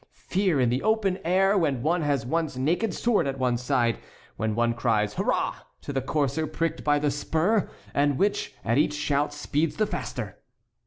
Fear in the open air when one has one's naked sword at one's side, when one cries 'hurra' to the courser pricked by the spur, and which at each shout speeds the faster."